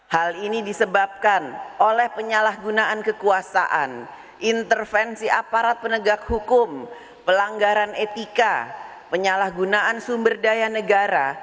hal ini disebabkan oleh penyalahgunaan kekuasaan intervensi aparat penegak hukum pelanggaran etika penyalahgunaan sumber daya negara